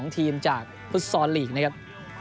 ๒ทีมจากฟุตซอลลีกนะครับ